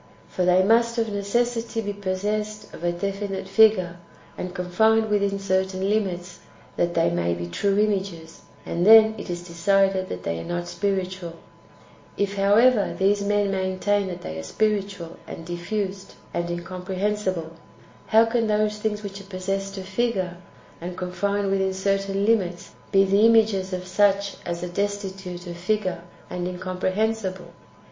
For they must of necessity be possessed of a definite fissure, and confined within certain limits, that they may be true images ; and then it is decided that they are not spirituah If, however, these men maintain that they are spiritual, and diffused, and incomprehensible, how can those things which are possessed of figure, and confined within certain limits, be the images of such as are destitute of figure and incomprehensible